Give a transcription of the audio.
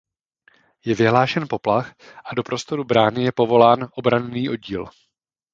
Je vyhlášen poplach a do prostoru brány je povolán obranný oddíl.